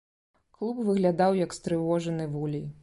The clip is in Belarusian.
Клуб выглядаў, як стрывожаны вулей.